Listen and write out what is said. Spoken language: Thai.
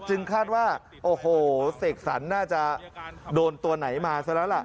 คาดว่าโอ้โหเสกสรรน่าจะโดนตัวไหนมาซะแล้วล่ะ